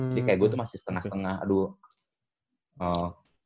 jadi kayak gue tuh masih setengah setengah aduh